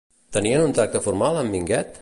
Tenien un tracte formal amb Minguet?